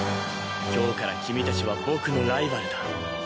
今日から君たちは僕のライバルだ。